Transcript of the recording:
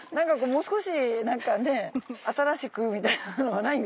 もう少し何かね新しくみたいなのはない？